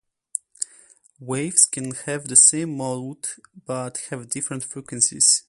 Waves can have the same mode but have different frequencies.